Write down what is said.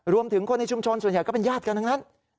รวมถึงคนในชุมชนส่วนใหญ่ก็เป็นญาติกันทั้งนั้น